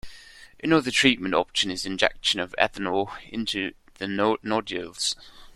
Another treatment option is injection of ethanol into the nodules.